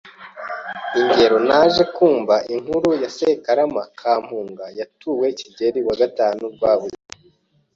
Ingero: Naje kuara inkuru ya Sekarama ka Mpuma yatuwe Kigeri IV Rwaugiri